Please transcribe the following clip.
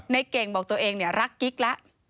เก่งบอกตัวเองรักกิ๊กแล้ว